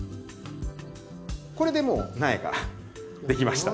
これでもう苗ができました。